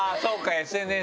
ＳＮＳね。